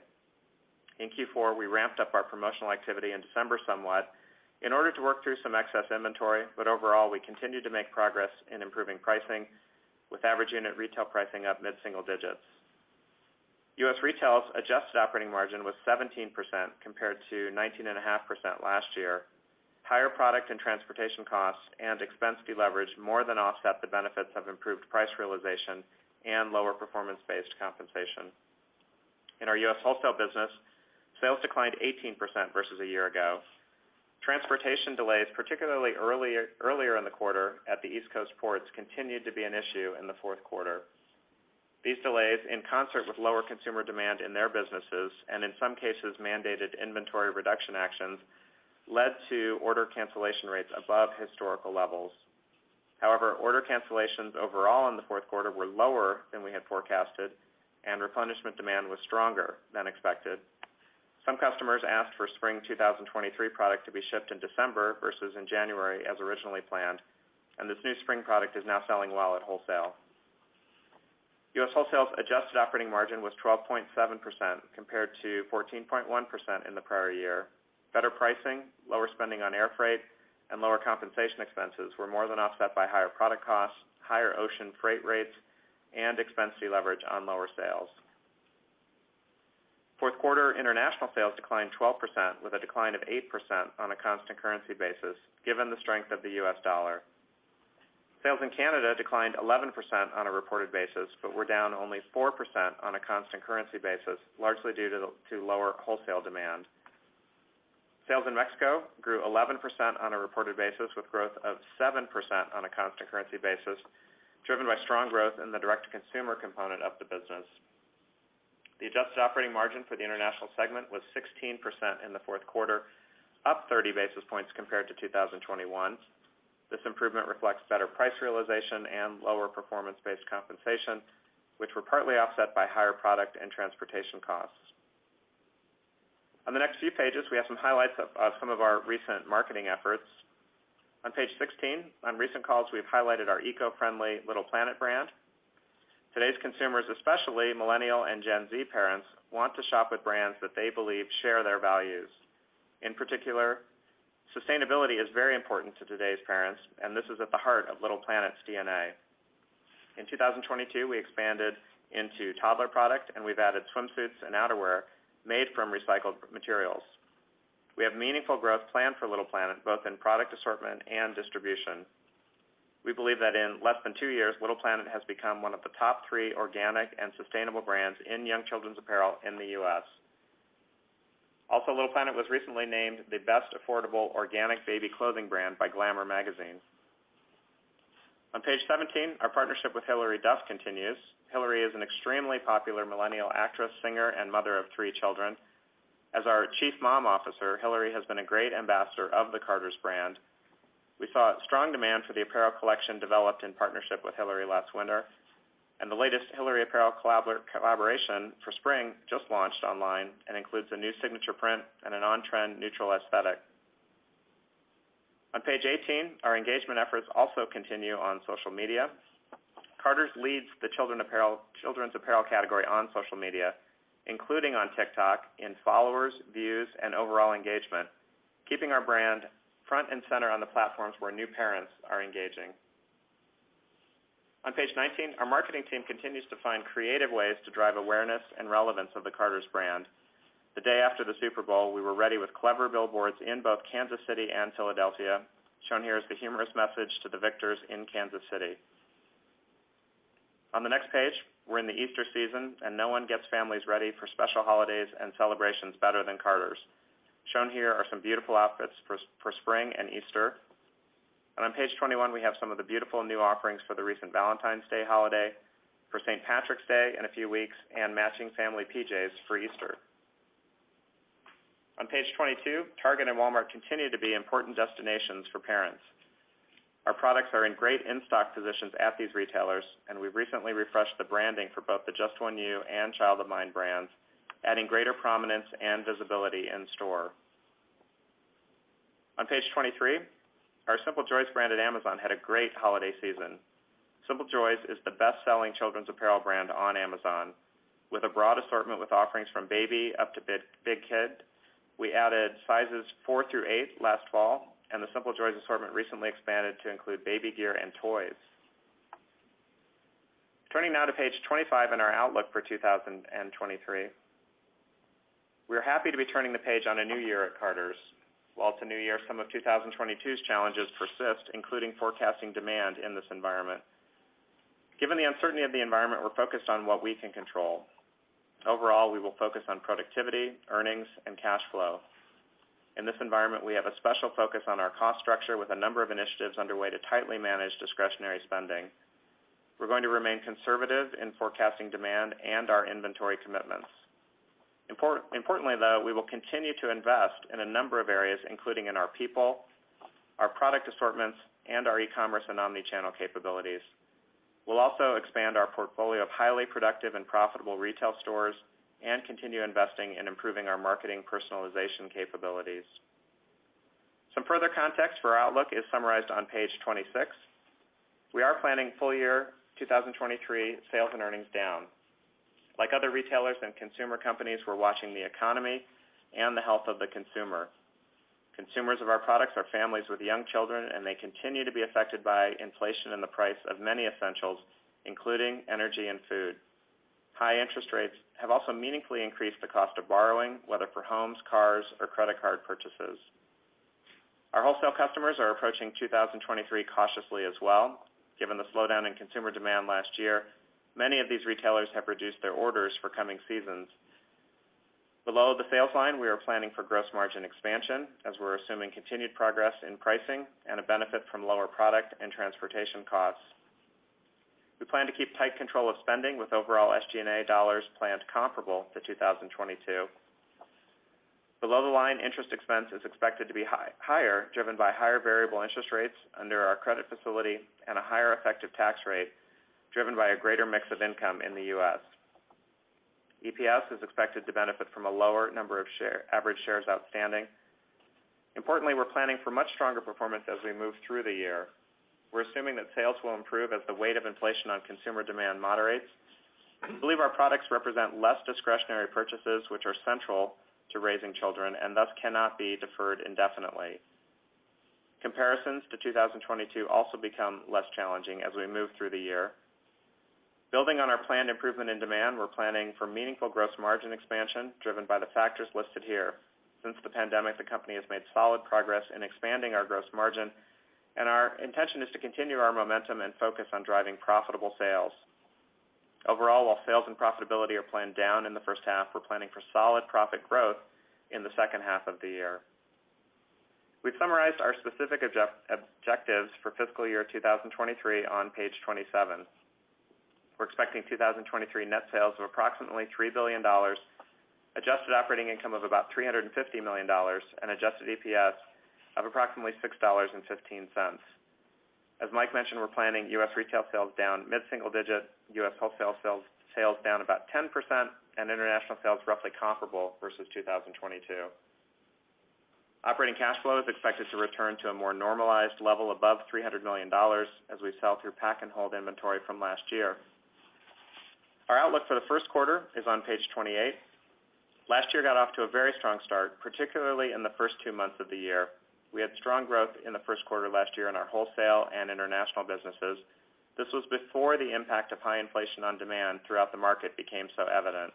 In Q4, we ramped up our promotional activity in December somewhat in order to work through some excess inventory. Overall, we continued to make progress in improving pricing, with average unit retail pricing up mid-single digits. U.S. retail's adjusted operating margin was 17% compared to 19.5% last year. Higher product and transportation costs and expense deleverage more than offset the benefits of improved price realization and lower performance-based compensation. In our U.S. wholesale business, sales declined 18% versus a year ago. Transportation delays, particularly earlier in the quarter at the East Coast ports, continued to be an issue in Q4. These delays, in concert with lower consumer demand in their businesses, and in some cases, mandated inventory reduction actions, led to order cancellation rates above historical levels. Order cancellations overall in Q4 were lower than we had forecasted, and replenishment demand was stronger than expected. Some customers asked for spring 2023 product to be shipped in December versus in January as originally planned, this new spring product is now selling well at wholesale. U.S. wholesale's adjusted operating margin was 12.7% compared to 14.1% in the prior year. Better pricing, lower spending on air freight, and lower compensation expenses were more than offset by higher product costs, higher ocean freight rates, and expense leverage on lower sales. Q4 international sales declined 12% with a decline of 8% on a constant currency basis, given the strength of the U.S. dollar. Sales in Canada declined 11% on a reported basis, but were down only 4% on a constant currency basis, largely due to lower wholesale demand. Sales in Mexico grew 11% on a reported basis, with growth of 7% on a constant currency basis, driven by strong growth in the direct-to-consumer component of the business. The adjusted operating margin for the international segment was 16% in Q4, up 30 basis points compared to 2021. This improvement reflects better price realization and lower performance-based compensation, which were partly offset by higher product and transportation costs. On the next few pages, we have some highlights of some of our recent marketing efforts. On page 16, on recent calls, we've highlighted our eco-friendly Little Planet brand. Today's consumers, especially Millennial and Gen Z parents, want to shop with brands that they believe share their values. In particular, sustainability is very important to today's parents, and this is at the heart of Little Planet's DNA. In 2022, we expanded into toddler product, and we've added swimsuits and outerwear made from recycled materials. We have meaningful growth planned for Little Planet, both in product assortment and distribution. We believe that in less than two years, Little Planet has become one of the top three organic and sustainable brands in young children's apparel in the U.S. Also, Little Planet was recently named the best affordable organic baby clothing brand by Glamour Magazine. On page 17, our partnership with Hilary Duff continues. Hilary is an extremely popular Millennial actress, singer, and mother of three children. As our Chief Mom Officer, Hilary has been a great ambassador of the Carter's brand. We saw strong demand for the apparel collection developed in partnership with Hilary last winter. The latest Hilary apparel collaboration for spring just launched online and includes a new signature print and an on-trend neutral aesthetic. On page 18, our engagement efforts also continue on social media. Carter's leads the children's apparel category on social media, including on TikTok, in followers, views, and overall engagement, keeping our brand front and center on the platforms where new parents are engaging. On page 19, our marketing team continues to find creative ways to drive awareness and relevance of the Carter's brand. The day after the Super Bowl, we were ready with clever billboards in both Kansas City and Philadelphia. Shown here is the humorous message to the victors in Kansas City. On the next page, we're in the Easter season, and no one gets families ready for special holidays and celebrations better than Carter's. Shown here are some beautiful outfits for spring and Easter. On page 21, we have some of the beautiful new offerings for the recent Valentine's Day holiday, for St. Patrick's Day in a few weeks, and matching family PJs for Easter. On page 22, Target and Walmart continue to be important destinations for parents. Our products are in great in-stock positions at these retailers, and we recently refreshed the branding for both the Just One You and Child of Mine brands, adding greater prominence and visibility in store. On page 23, our Simple Joys brand at Amazon had a great holiday season. Simple Joys is the best-selling children's apparel brand on Amazon, with a broad assortment with offerings from baby up to big kid. We added sizes four through eight last fall, and the Simple Joys assortment recently expanded to include baby gear and toys. Turning now to page 25 in our outlook for 2023. We're happy to be turning the page on a new year at Carter's. While it's a new year, some of 2022's challenges persist, including forecasting demand in this environment. Given the uncertainty of the environment, we're focused on what we can control. Overall, we will focus on productivity, earnings, and cash flow. In this environment, we have a special focus on our cost structure with a number of initiatives underway to tightly manage discretionary spending. We're going to remain conservative in forecasting demand and our inventory commitments. Importantly, though, we will continue to invest in a number of areas, including in our people, our product assortments, and our e-commerce and omni-channel capabilities. We'll also expand our portfolio of highly productive and profitable retail stores and continue investing in improving our marketing personalization capabilities. Some further context for our outlook is summarized on page 26. We are planning full year 2023 sales and earnings down. Like other retailers and consumer companies, we're watching the economy and the health of the consumer. Consumers of our products are families with young children, and they continue to be affected by inflation in the price of many essentials, including energy and food. High interest rates have also meaningfully increased the cost of borrowing, whether for homes, cars, or credit card purchases. Our wholesale customers are approaching 2023 cautiously as well. Given the slowdown in consumer demand last year, many of these retailers have reduced their orders for coming seasons. Below the sales line, we are planning for gross margin expansion, as we're assuming continued progress in pricing and a benefit from lower product and transportation costs. We plan to keep tight control of spending with overall SG&A dollars planned comparable to 2022. Below-the-line interest expense is expected to be higher, driven by higher variable interest rates under our credit facility and a higher effective tax rate, driven by a greater mix of income in the U.S.. EPS is expected to benefit from a lower number of average shares outstanding. Importantly, we're planning for much stronger performance as we move through the year. We're assuming that sales will improve as the weight of inflation on consumer demand moderates. We believe our products represent less discretionary purchases, which are central to raising children and thus cannot be deferred indefinitely. Comparisons to 2022 also become less challenging as we move through the year. Building on our planned improvement in demand, we're planning for meaningful gross margin expansion driven by the factors listed here. Since the pandemic, the company has made solid progress in expanding our gross margin. Our intention is to continue our momentum and focus on driving profitable sales. Overall, while sales and profitability are planned down in the first half, we're planning for solid profit growth in the second half of the year. We've summarized our specific objectives for fiscal year 2023 on page 27. We're expecting 2023 net sales of approximately $3 billion, adjusted operating income of about $350 million, and adjusted EPS of approximately $6.15. As Mike mentioned, we're planning U.S. retail sales down mid-single digit, U.S. wholesale sales down about 10%, and international sales roughly comparable versus 2022. Operating cash flow is expected to return to a more normalized level above $300 million as we sell through pack-and-hold inventory from last year. Our outlook for Q1 is on page 28. Last year got off to a very strong start, particularly in the first two months of the year. We had strong growth in Q1 last year in our wholesale and international businesses. This was before the impact of high inflation on demand throughout the market became so evident.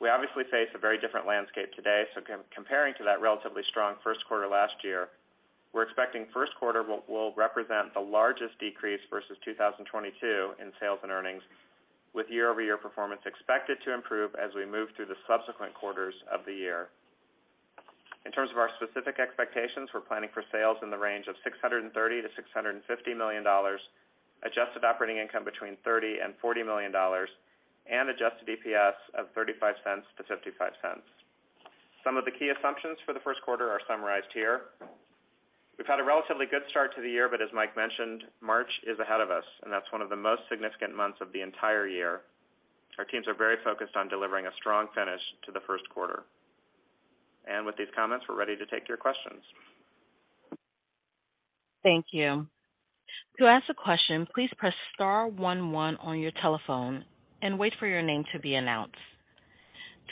We obviously face a very different landscape today, comparing to that relatively strong Q1 last year, we're expecting Q1 will represent the largest decrease versus 2022 in sales and earnings, with year-over-year performance expected to improve as we move through the subsequent quarters of the year. In terms of our specific expectations, we're planning for sales in the range of $630-650 million, adjusted operating income between $30 and 40 million, and adjusted EPS of $0.35-0.55. Some of the key assumptions for Q1 are summarized here. We've had a relatively good start to the year, as Mike mentioned, March is ahead of us, and that's one of the most significant months of the entire year. Our teams are very focused on delivering a strong finish to Q1. With these comments, we're ready to take your questions. Thank you. To ask a question, please press star one one on your telephone and wait for your name to be announced.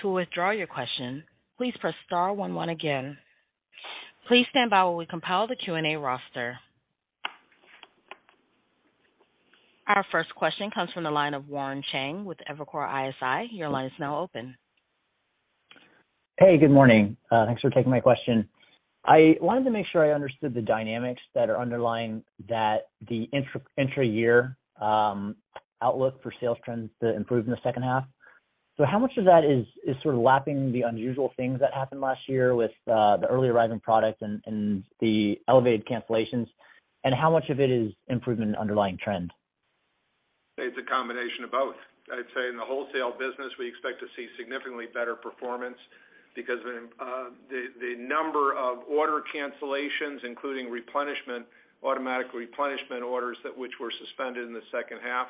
To withdraw your question, please press star one one again. Please stand by while we compile the Q&A roster. Our first question comes from the line of Warren Cheng with Evercore ISI. Your line is now open. Hey, good morning. Thanks for taking my question. I wanted to make sure I understood the dynamics that are underlying that the intra-year outlook for sales trends to improve in the second half. How much of that is sort of lapping the unusual things that happened last year with the early arriving product and the elevated cancellations, and how much of it is improvement in underlying trend? It's a combination of both. I'd say in the wholesale business, we expect to see significantly better performance because when the number of order cancellations, including replenishment, automatic replenishment orders that which were suspended in the second half.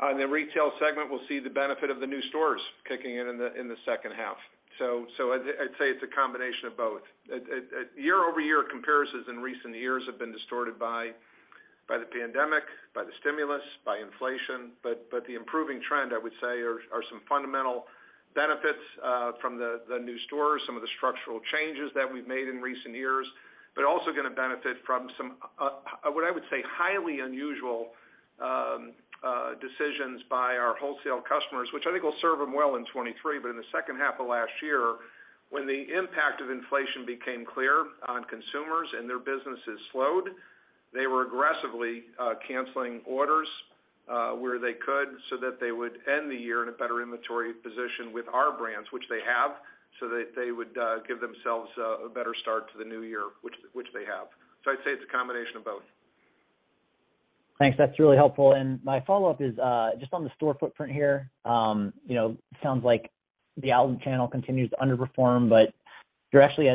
The retail segment will see the benefit of the new stores kicking in in the second half. I'd say it's a combination of both. Year-over-year comparisons in recent years have been distorted by the pandemic, by the stimulus, by inflation. The improving trend, I would say are some fundamental benefits from the new stores, some of the structural changes that we've made in recent years. Also gonna benefit from some what I would say highly unusual decisions by our wholesale customers, which I think will serve them well in 2023. In the second half of last year, when the impact of inflation became clear on consumers and their businesses slowed, they were aggressively canceling orders where they could so that they would end the year in a better inventory position with our brands, which they have, so that they would give themselves a better start to the new year, which they have. I'd say it's a combination of both. Thanks. That's really helpful. My follow-up is just on the store footprint here. You know, it sounds like the outlet channel continues to underperform, but you're actually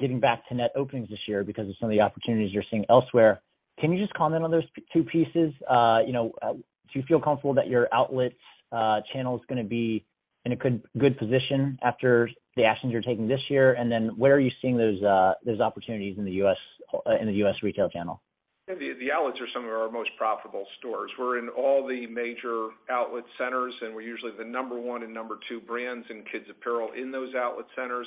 getting back to net openings this year because of some of the opportunities you're seeing elsewhere. Can you just comment on those two pieces? You know, do you feel comfortable that your outlets channel is gonna be in a good position after the actions you're taking this year? Then where are you seeing those opportunities in the U.S., in the U.S. retail channel? The outlets are some of our most profitable stores. We're in all the major outlet centers, we're usually the number one and number two brands in kids apparel in those outlet centers.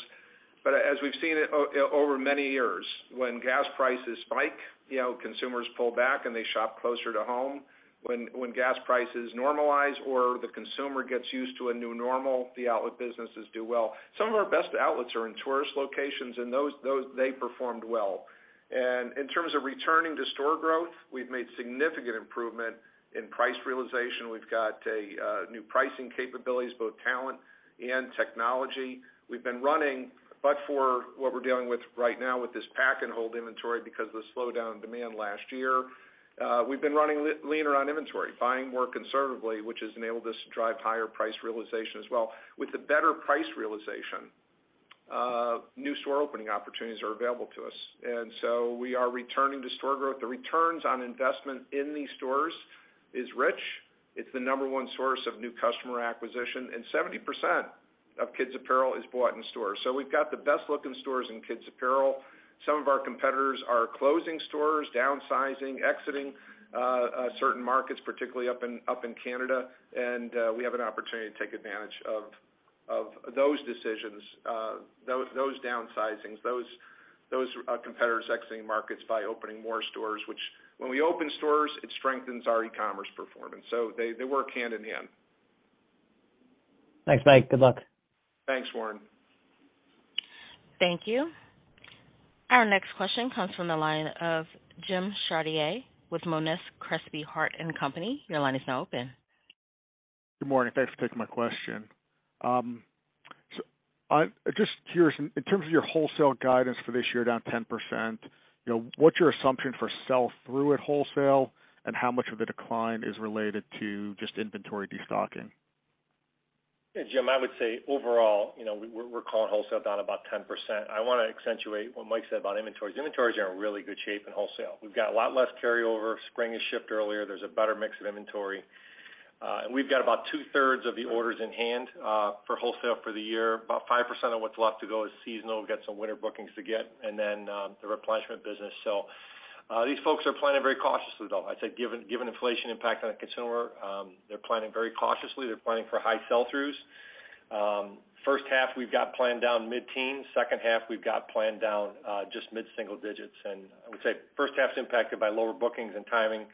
As we've seen it over many years, when gas prices spike, you know, consumers pull back and they shop closer to home. When gas prices normalize or the consumer gets used to a new normal, the outlet businesses do well. Some of our best outlets are in tourist locations, those they performed well. In terms of returning to store growth, we've made significant improvement in price realization. We've got a new pricing capabilities, both talent and technology. We've been running, but for what we're dealing with right now with this pack and hold inventory because of the slowdown in demand last year, we've been running leaner on inventory, buying more conservatively, which has enabled us to drive higher price realization as well. With the better price realization, new store opening opportunities are available to us. We are returning to store growth. The returns on investment in these stores is rich. It's the number one source of new customer acquisition, and 70% of kids apparel is bought in stores. We've got the best look in stores in kids apparel. Some of our competitors are closing stores, downsizing, exiting certain markets, particularly up in Canada. We have an opportunity to take advantage of those decisions, those downsizings, those competitors exiting markets by opening more stores, which when we open stores, it strengthens our e-commerce performance. They work hand in hand. Thanks, Mike. Good luck. Thanks, Warren. Thank you. Our next question comes from the line of Jim Chartier with Monness, Crespi, Hardt & Co., your line is now open. Good morning. Thanks for taking my question. I'm just curious, in terms of your wholesale guidance for this year down 10%, you know, what's your assumption for sell-through at wholesale, and how much of the decline is related to just inventory destocking? Jim, I would say overall, you know, we're calling wholesale down about 10%. I wanna accentuate what Mike said about inventories. Inventories are in really good shape in wholesale. We've got a lot less carryover. Spring has shipped earlier. There's a better mix of inventory. We've got about two-thirds of the orders in hand for wholesale for the year. About 5% of what's left to go is seasonal. We've got some winter bookings to get and then the replenishment business. These folks are planning very cautiously, though. I'd say given inflation impact on the consumer, they're planning very cautiously. They're planning for high sell-throughs. First half we've got planned down mid-teens. Second half we've got planned down just mid-single digits. I would say first half's impacted by lower bookings and timing.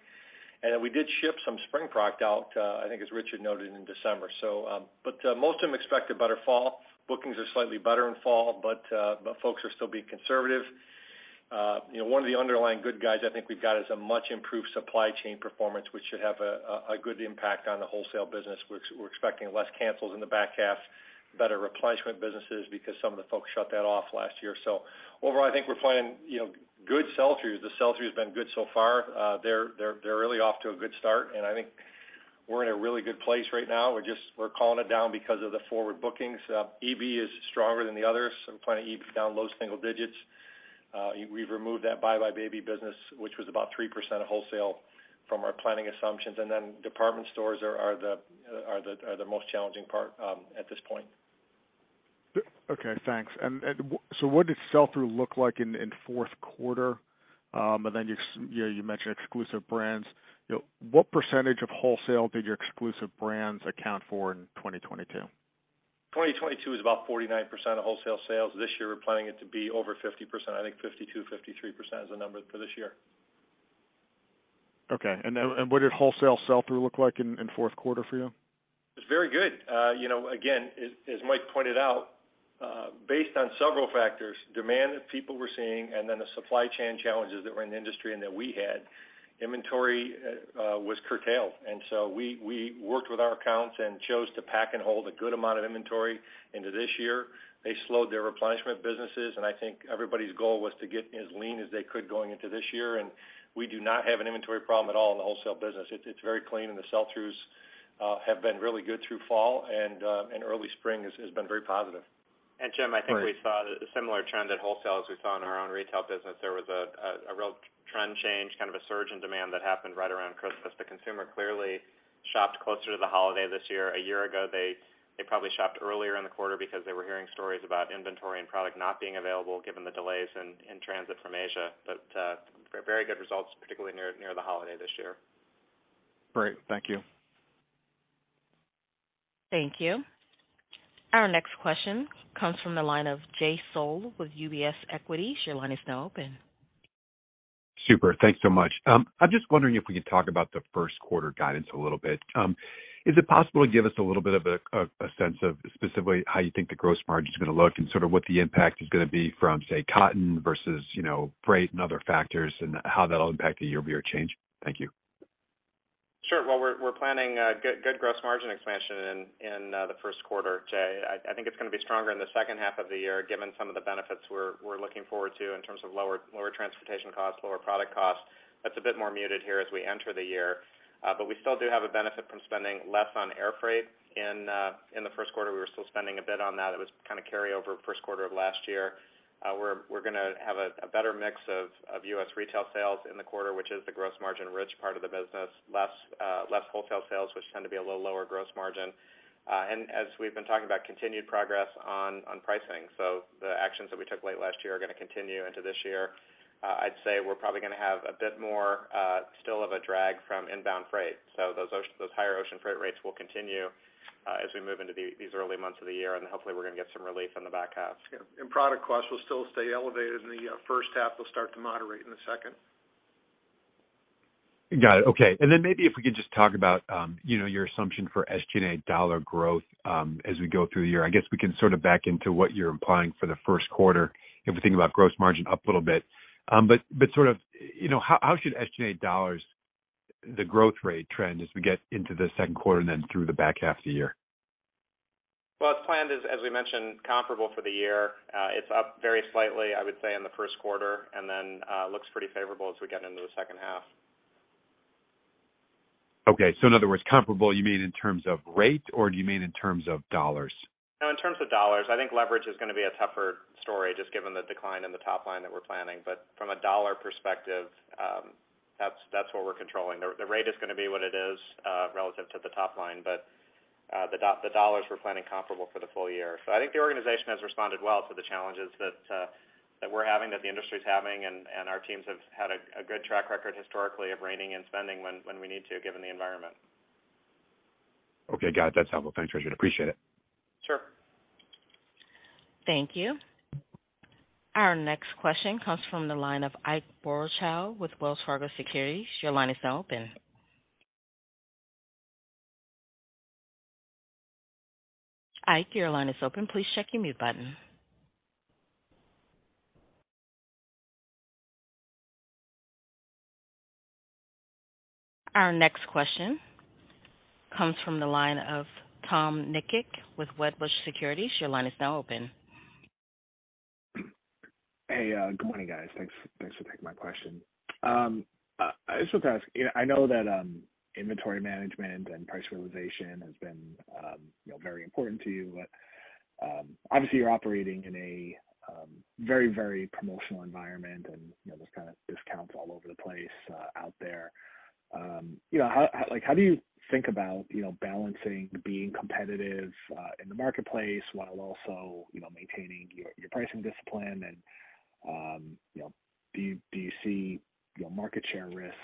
We did ship some spring product out, I think as Richard noted in December. Most of them expected better fall. Bookings are slightly better in fall, folks are still being conservative. You know, one of the underlying good guys I think we've got is a much improved supply chain performance, which should have a good impact on the wholesale business. We're expecting less cancels in the back half, better replenishment businesses because some of the folks shut that off last year. Overall, I think we're planning, you know, good sell-throughs. The sell-through has been good so far. They're really off to a good start. I think we're in a really good place right now. We're just we're calling it down because of the forward bookings. EB is stronger than the others. I'm planning EB down low single digits. We've removed that buybuy BABY business, which was about 3% of wholesale from our planning assumptions. Then department stores are the most challenging part at this point. Okay, thanks. What did sell-through look like in Q4? Then you mentioned exclusive brands. What percent of wholesale did your exclusive brands account for in 2022? 2022 is about 49% of wholesale sales. This year, we're planning it to be over 50%. I think 52%, 53% is the number for this year. Okay. Then, what did wholesale sell-through look like in Q4 for you? It's very good. You know, again, as Mike pointed out, based on several factors, demand that people were seeing and then the supply chain challenges that were in the industry and that we had, inventory was curtailed. We worked with our accounts and chose to pack and hold a good amount of inventory into this year. They slowed their replenishment businesses. I think everybody's goal was to get as lean as they could going into this year. We do not have an inventory problem at all in the wholesale business. It's very clean, and the sell-throughs have been really good through fall, and early spring has been very positive. Jim, I think we saw a similar trend at wholesale as we saw in our own retail business. There was a real trend change, kind of a surge in demand that happened right around Christmas. The consumer clearly shopped closer to the holiday this year. A year ago, they probably shopped earlier in the quarter because they were hearing stories about inventory and product not being available given the delays in transit from Asia. Very good results, particularly near the holiday this year. Great. Thank you. Thank you. Our next question comes from the line of Jay Sole with UBS Equity. Your line is now open. Super. Thanks so much. I'm just wondering if we could talk about Q1 guidance a little bit. Is it possible to give us a little bit of a sense of specifically how you think the gross margin is gonna look and sort of what the impact is gonna be from, say, cotton versus, you know, freight and other factors and how that'll impact the year-over-year change? Thank you. Sure. We're planning good gross margin expansion in Q1, Jay. I think it's gonna be stronger in the second half of the year, given some of the benefits we're looking forward to in terms of lower transportation costs, lower product costs. That's a bit more muted here as we enter the year. We still do have a benefit from spending less on air freight in Q1. We were still spending a bit on that. It was kind of carryover Q1 of last year. We're gonna have a better mix of U.S. retail sales in the quarter, which is the gross margin rich part of the business. Less wholesale sales, which tend to be a little lower gross margin. As we've been talking about continued progress on pricing. The actions that we took late last year are gonna continue into this year. I'd say we're probably gonna have a bit more still of a drag from inbound freight. Those higher ocean freight rates will continue as we move into these early months of the year, and hopefully, we're gonna get some relief in the back half. Yeah. Product costs will still stay elevated in the first half. They'll start to moderate in the second. Got it. Okay. Maybe if we could just talk about, you know, your assumption for SG&A dollar growth as we go through the year. I guess we can sort of back into what you're implying for Q1 if we think about gross margin up a little bit. But sort of, you know, how should SG&A dollars, the growth rate trend as we get into Q2 and then through the back half of the year? Well, as planned as we mentioned, comparable for the year, it's up very slightly, I would say, in Q1, then, looks pretty favorable as we get into the second half. In other words, comparable, you mean in terms of rate, or do you mean in terms of dollars? No, in terms of dollars. I think leverage is gonna be a tougher story just given the decline in the top line that we're planning. From a dollar perspective, that's what we're controlling. The rate is gonna be what it is relative to the top line. The dollars we're planning comparable for the full year. I think the organization has responded well to the challenges that we're having, that the industry's having, and our teams have had a good track record historically of reining in spending when we need to, given the environment. Okay. Got it. That's helpful. Thanks, Richard. Appreciate it. Sure. Thank you. Our next question comes from the line of Ike Boruchow with Wells Fargo Securities. Your line is now open. Ike, your line is open. Please check your mute button. Our next question comes from the line of Tom Nikic with Wedbush Securities. Your line is now open. Hey, good morning, guys. Thanks for taking my question. I just want to ask, you know, I know that inventory management and price realization has been, you know, very important to you. Obviously, you're operating in a very, very promotional environment, and, you know, there's kind of discounts all over the place out there. You know, like, how do you think about, you know, balancing being competitive in the marketplace while also, you know, maintaining your pricing discipline? You know, do you see, you know, market share risk,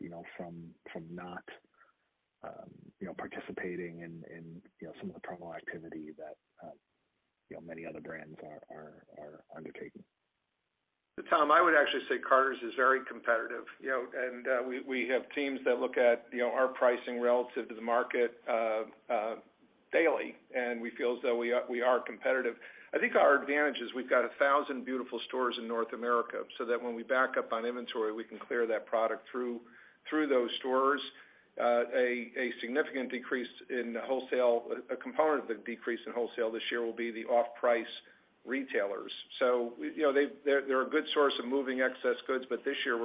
you know, from not, you know, participating in, you know, some of the promo activity that, you know, many other brands are undertaking? Tom, I would actually say Carter's is very competitive. You know, and we have teams that look at, you know, our pricing relative to the market daily, and we feel as though we are competitive. I think our advantage is we've got 1,000 beautiful stores in North America, so that when we back up on inventory, we can clear that product through those stores. A significant decrease in the wholesale, a component of the decrease in wholesale this year will be the off-price retailers. You know, they're a good source of moving excess goods, but this year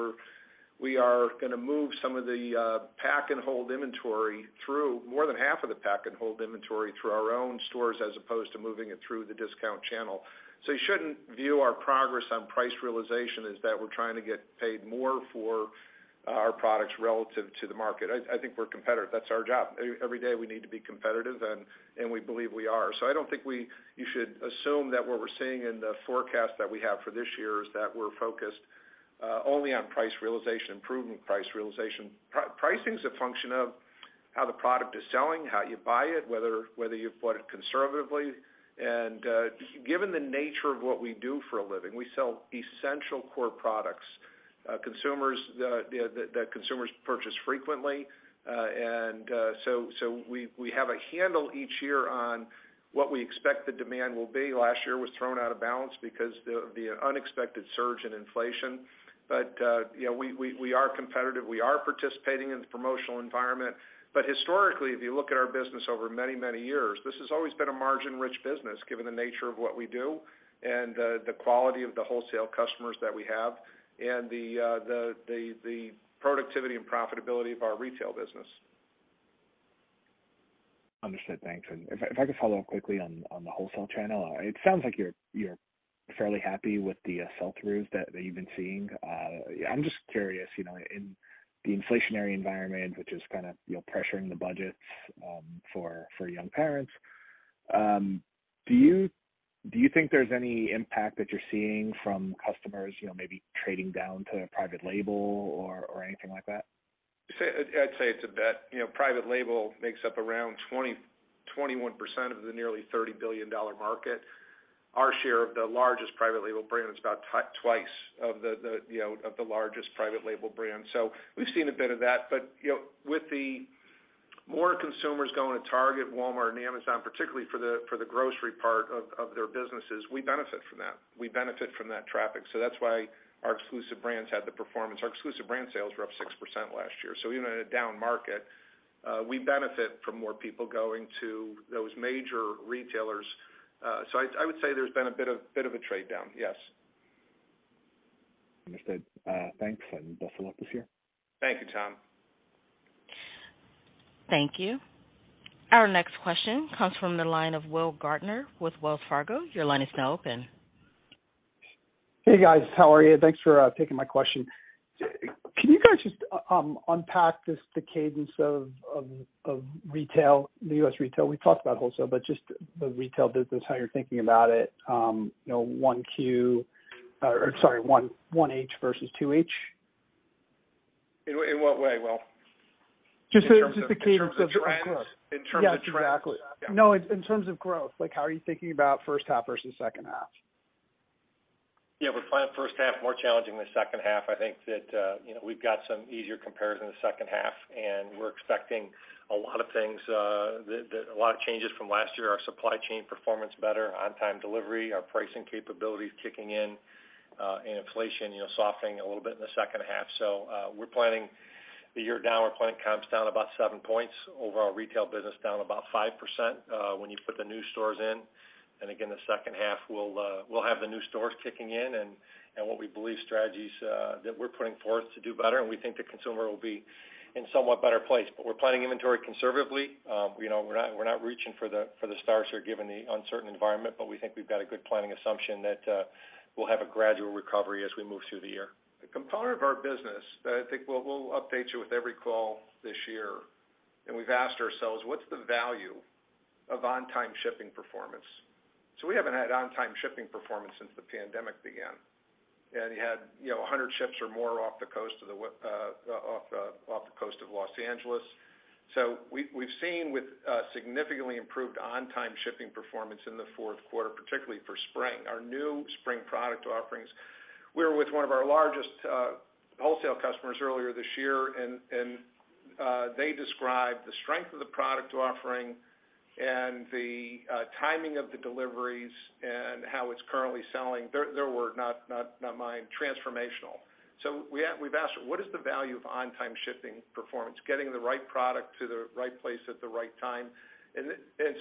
we are gonna move some of the pack and hold inventory through more than half of the pack and hold inventory through our own stores as opposed to moving it through the discount channel. You shouldn't view our progress on price realization is that we're trying to get paid more for our products relative to the market. I think we're competitive. That's our job. Every day we need to be competitive, and we believe we are. I don't think you should assume that what we're seeing in the forecast that we have for this year is that we're focused only on price realization, improving price realization. Pricing's a function of how the product is selling, how you buy it, whether you've bought it conservatively. Given the nature of what we do for a living, we sell essential core products, that consumers purchase frequently. So we have a handle each year on what we expect the demand will be. Last year was thrown out of balance because the unexpected surge in inflation. You know, we are competitive. We are participating in the promotional environment. Historically, if you look at our business over many, many years, this has always been a margin-rich business, given the nature of what we do and the quality of the wholesale customers that we have and the productivity and profitability of our retail business. Understood. Thanks. If I could follow up quickly on the wholesale channel. It sounds like you're fairly happy with the sell-throughs that you've been seeing. I'm just curious, you know, in the inflationary environment, which is kind of, you know, pressuring the budgets for young parents, do you think there's any impact that you're seeing from customers, you know, maybe trading down to private label or anything like that? Say, I'd say it's a bit. You know, private label makes up around 20%-21% of the nearly $30 billion market. Our share of the largest private label brand is about twice of the, you know, of the largest private label brand. We've seen a bit of that. You know, with the more consumers going to Target, Walmart, and Amazon, particularly for the grocery part of their businesses, we benefit from that. We benefit from that traffic. That's why our exclusive brands had the performance. Our exclusive brand sales were up 6% last year. Even in a down market, we benefit from more people going to those major retailers. I would say there's been a bit of a trade down, yes. Understood. Thanks, and best of luck this year. Thank you, Tom. Thank you. Our next question comes from the line of Will Gaertner with Wells Fargo. Your line is now open. Hey, guys. How are you? Thanks for taking my question. Can you guys just unpack the cadence of retail, the U.S. retail? We've talked about wholesale, but just the retail business, how you're thinking about it, you know, H1 versus H2. In what, in what way, Will? Just in terms of the cadence of growth. In terms of trends? Yes, exactly. Yeah. No, in terms of growth, like how are you thinking about first half versus second half? Yeah. We're finding first half more challenging than second half. I think that, you know, we've got some easier compares in the second half. We're expecting a lot of things that a lot of changes from last year. Our supply chain performance better, on-time delivery, our pricing capabilities kicking in, and inflation, you know, softening a little bit in the second half. We're planning the year down. We're planning comps down about seven points, overall retail business down about 5% when you put the new stores in. Again, the second half we'll have the new stores kicking in and what we believe strategies that we're putting forth to do better. We think the consumer will be in somewhat better place. We're planning inventory conservatively. You know, we're not reaching for the stars here given the uncertain environment, but we think we've got a good planning assumption that we'll have a gradual recovery as we move through the year. A component of our business that I think we'll update you with every call this year, we've asked ourselves, what's the value of on-time shipping performance? We haven't had on-time shipping performance since the pandemic began. You had, you know, 100 ships or more off the coast of Los Angeles. We've seen with significantly improved on-time shipping performance in Q4, particularly for spring. Our new spring product offerings. We were with one of our largest wholesale customers earlier this year, and they described the strength of the product offering and the timing of the deliveries and how it's currently selling, their word not mine, transformational. We've asked, what is the value of on-time shipping performance? Getting the right product to the right place at the right time.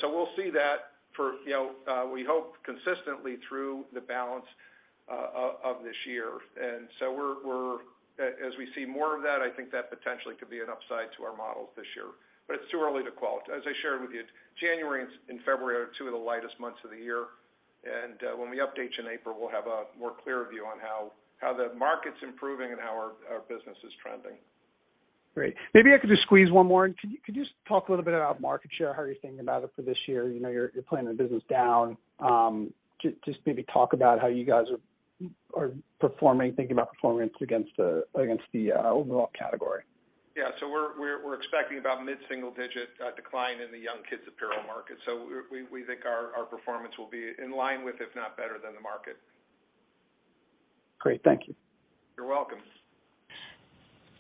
We'll see that for, you know, we hope consistently through the balance of this year. We're as we see more of that, I think that potentially could be an upside to our models this year. It's too early to call it. As I shared with you, January and February are two of the lightest months of the year. When we update you in April, we'll have a more clear view on how the market's improving and how our business is trending. Great. Maybe I could just squeeze one more in. Could you just talk a little bit about market share? How are you thinking about it for this year? You know, you're planning the business down. just maybe talk about how you guys are performing, thinking about performance against against the overall category. Yeah. We're expecting about mid-single digit decline in the young kids apparel market. We think our performance will be in line with, if not better than the market. Great. Thank you. You're welcome.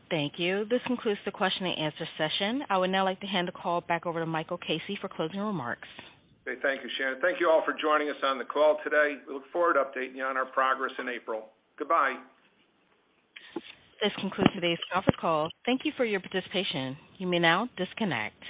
Thank you. This concludes the question and answer session. I would now like to hand the call back over to Michael Casey for closing remarks. Okay. Thank you, Shannon. Thank you all for joining us on the call today. We look forward to updating you on our progress in April. Goodbye. This concludes today's conference call. Thank you for your participation. You may now disconnect.